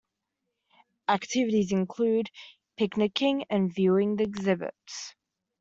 Activities include picnicing and viewing the exhibits.